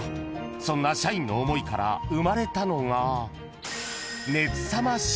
［そんな社員の思いから生まれたのが］